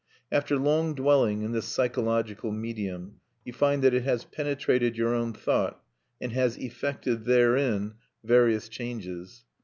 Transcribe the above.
After long dwelling in this psychological medium, you find that it has penetrated your own thought, and has effected therein various changes.